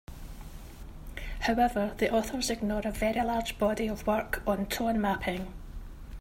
However, the authors ignore a very large body of work on tone mapping.